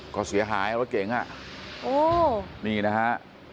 ก็เสียหายรถเก๋งอ่ะโอ้นี่นะฮะ